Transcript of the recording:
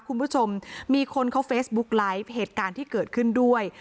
คุณผู้ชมมีคนเขาเฟซบุ๊กไลฟ์เหตุการณ์ที่เกิดขึ้นด้วย